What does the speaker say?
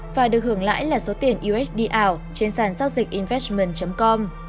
và được hưởng lãi là số tiền usd out trên sàn giao dịch investment com